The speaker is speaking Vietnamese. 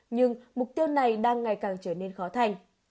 nhưng mục tiêu này đang ngày càng trở nên khó thành